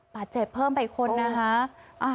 บาดเจ็บเพิ่มไปคนนะคะ